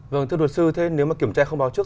vâng thưa luật sư thế nếu mà kiểm tra không báo trước